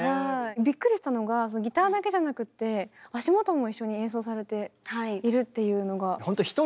びっくりしたのがギターだけじゃなくて足元も一緒に演奏されているっていうのが。